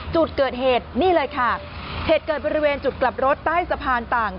จุดเกิดเหตุนี่เลยค่ะเหตุเกิดบริเวณจุดกลับรถใต้สะพานต่าง